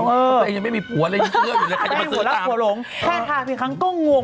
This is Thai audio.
เออเขาตัวเองยังไม่มีผัวเลยยืดเสื้ออยู่แล้วใครจะมาซื้อตังค์